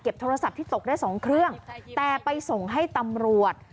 โทรศัพท์ที่ตกได้สองเครื่องแต่ไปส่งให้ตำรวจ